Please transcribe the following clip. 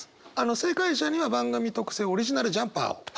正解者には番組特製オリジナルジャンパーを。